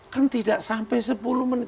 kan tidak sampai sepuluh menit